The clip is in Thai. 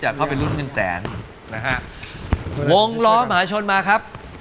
จะเข้าไปรุ่นกึนสารนะฮะ